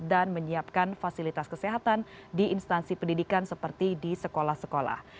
dan menyiapkan fasilitas kesehatan di instansi pendidikan seperti di sekolah sekolah